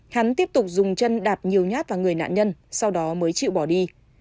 hắn tiếp tục dùng chân đạp nhiều nhát vào người nạn nhân sau đó mới chịu bỏ đi